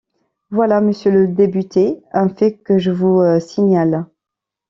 Voilà, monsieur le député, un fait que je vous signale.